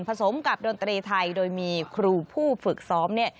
สมกับดนตรีไทยโดยมีครูผู้ฝึกซ้อมเนี่ย